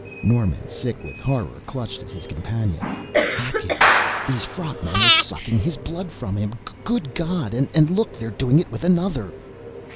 Norman, sick with horror, clutched his companion. "Hackett these frog men are sucking his blood from him!" "Good God! And look they're doing it with another!"